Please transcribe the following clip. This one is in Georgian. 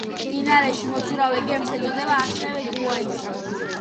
მდინარეში მოცურავე გემს ეწოდება ასევე გუაიასი.